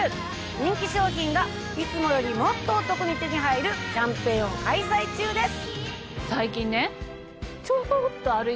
人気商品がいつもよりもっとお得に手に入るキャンペーンを開催中です。